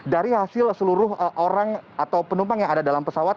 dari hasil seluruh orang atau penumpang yang ada dalam pesawat